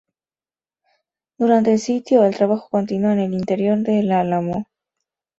Durante el sitio, el trabajo continuó en el interior de El Álamo.